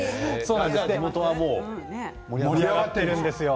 地元は盛り上がっているんですよ。